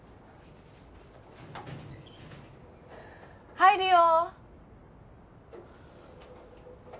入るよ。